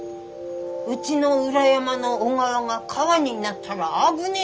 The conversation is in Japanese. うちの裏山の小川が川になったら危ねえんです。